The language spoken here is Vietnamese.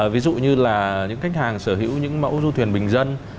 ví dụ như là những khách hàng sở hữu những mẫu du thuyền bình dân